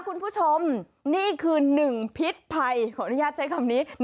คุณผู้ชมนี่คือ๑พิษภัยขออนุญาตใช้คำนี้